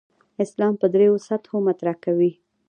اسلام په درېو سطحو مطرح کوي.